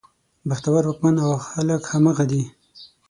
بختور واکمن او خلک همغه دي.